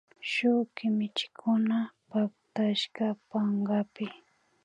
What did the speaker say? Shuk kimichikuna pactashka pankapi